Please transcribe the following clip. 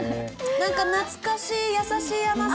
何か懐かしい、優しい甘さ。